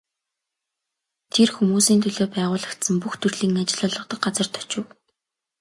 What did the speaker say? Тэр хүмүүсийн төлөө байгуулагдсан бүх төрлийн ажил олгодог газарт очив.